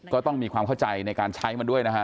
ก็ต้องมีความเข้าใจในการใช้มันด้วยนะฮะ